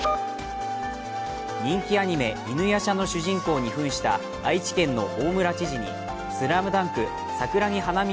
人気アニメ「犬夜叉」の主人公にふんした愛知県の大村知事に「ＳＬＡＭＤＵＮＫ」桜木花道